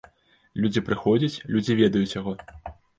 Людзі прыходзяць, людзі ведаюць яго.